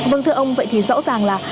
vâng thưa ông vậy thì rõ ràng là